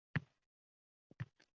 – Seni xondan boshqasi kim olsin?